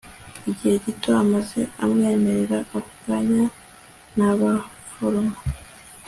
igihe gito maze amwemerera ako kanya. nkabaforomo